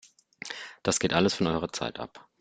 Das geht alles von eurer Zeit ab!